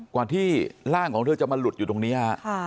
กว่าที่ร่างของเธอจะมาหลุดอยู่ตรงนี้ฮะ